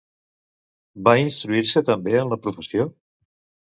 Va instruir-se també en la professió?